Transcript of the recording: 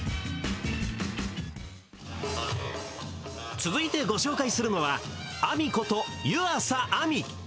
続いてご紹介するのはＡＭＩこと湯浅亜実